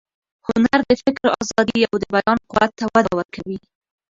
هنر د فکر ازادي او د بیان قوت ته وده ورکوي.